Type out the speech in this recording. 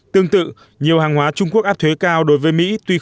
tương tự nhiều hàng hóa trung quốc áp thuế cao đối với mỹ